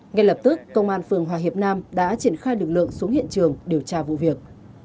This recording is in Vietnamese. ngay lập tức công an phường hòa hiệp nam đã triển khai lực lượng xuống hiện trường điều tra vụ việc